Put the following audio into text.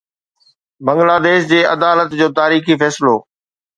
بنگلاديش جي عدالت جو تاريخي فيصلو